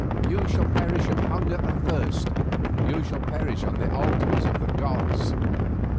You shall perish of hunger and thirst, you shall perish on the altars of the gods.